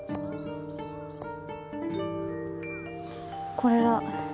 これだ。